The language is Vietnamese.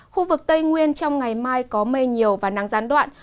khu vực tây nguyên trong ngày mai có mây nhiều và nắng gián đoạn